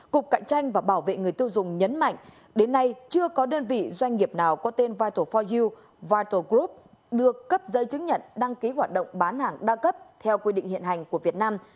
cục cạnh tranh và bảo vệ người tiêu dùng nhấn mạnh đến nay chưa có đơn vị doanh nghiệp nào có tên vital fojiu vital group được cấp giấy chứng nhận đăng ký hoạt động bán hàng đa cấp theo quy định hiện hành của việt nam